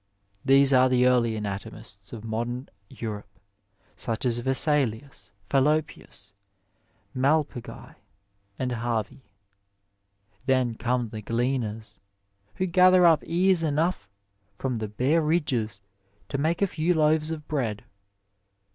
These are the early anatomists of modem Europe, such as Vesalius, Fallopius, Malpighi, and Harvey. Then come the gleaners, who gather up ears enough from the bare ridges to make a few loaves of bread.